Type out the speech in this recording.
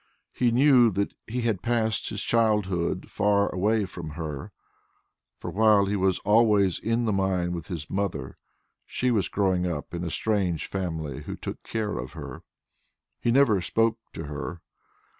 He knew that he had passed his childhood far away from her, for while he was always in the mine with his mother, she was growing up in a strange family who took care of her. He never spoke to her.